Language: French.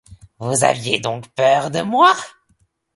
Vous aviez donc peur de moi ?